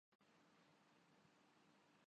الزامات جو بھی ہوں۔